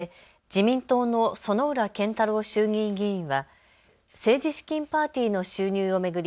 衆議院千葉５区選出で自民党の薗浦健太郎衆議院議員は政治資金パーティーの収入を巡り